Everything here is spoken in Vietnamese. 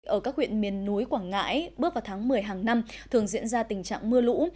ở các huyện miền núi quảng ngãi bước vào tháng một mươi hàng năm thường diễn ra tình trạng mưa lũ